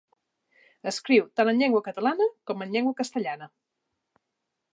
Escriu tant en llengua catalana com en llengua castellana.